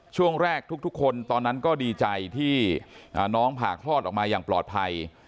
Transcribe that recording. ช่วงแรกทุกคนตอนนั้นก็ดีใจที่น้องผ่าคลอดออกมาอย่างปลอดภัย